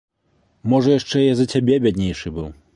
Можа яшчэ я за цябе бяднейшы быў!